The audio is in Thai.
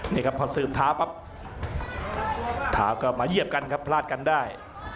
นี่ครับพอสืบท้าปั๊บท้าก็มาเยียบกันครับพลาดกันได้